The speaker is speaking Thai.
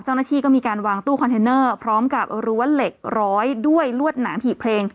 เจ้าหน้าที่ก็มีการวางตู้คอนเทนเนอร์พร้อมกับรั้วเหล็กร้อยด้วยลวดหนามหีบเพลง